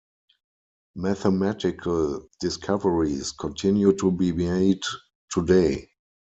Mathematical discoveries continue to be made today.